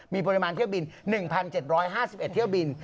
มีปริมาณเที่ยวบิน๑๗๕๑เที่ยวบิน